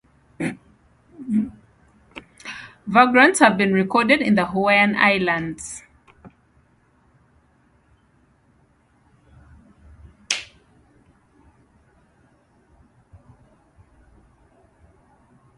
Vagrants have been recorded in the Hawaiian Islands.